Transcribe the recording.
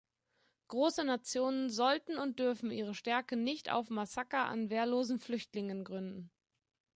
Große Nationen sollten und dürfen ihre Stärke nicht auf Massaker an wehrlosen Flüchtlingen gründen.